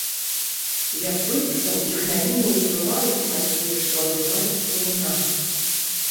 Як быццам іх навіны ўплываюць на тое, што адбываецца ў нас.